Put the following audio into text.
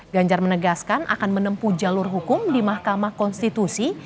ganjar menegaskan akan menempuh jalur hukum di mahkamah konstitusi